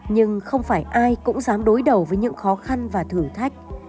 nhưng không phải ai cũng dám đối đầu với những khó khăn và thử thách